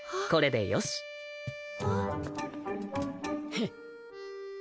フッ